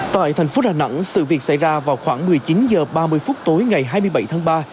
tại thành phố đà nẵng sự việc xảy ra vào khoảng một mươi chín h ba mươi phút tối ngày hai mươi bảy tháng ba